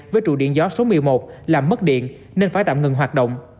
với trụ điện gió số một mươi một làm mất điện nên phải tạm ngừng hoạt động